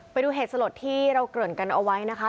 ไปดูเหตุสลดที่เราเกริ่นกันเอาไว้นะคะ